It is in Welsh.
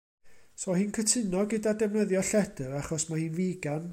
'So hi'n cytuno gyda defnyddio lledr achos mae hi'n figan.